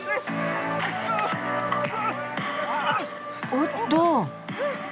おっと。